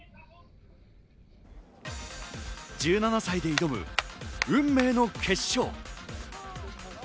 １７歳で挑む、運命の決勝。